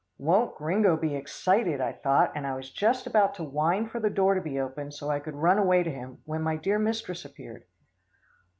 "Won't Gringo be excited," I thought, and I was just about to whine for the door to be opened so I could run away to him, when my dear mistress appeared.